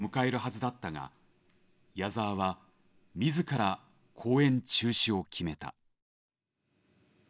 迎えるはずだったが矢沢は自ら公演中止を決めた。